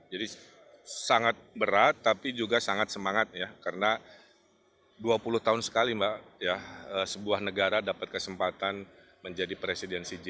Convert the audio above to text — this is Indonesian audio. jadi sangat berat tapi juga sangat semangat ya karena dua puluh tahun sekali sebuah negara dapat kesempatan menjadi presiden cg dua puluh